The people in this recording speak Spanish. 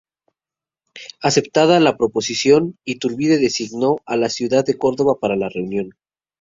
Aceptada la proposición, Iturbide designó a la ciudad de Córdoba para la reunión.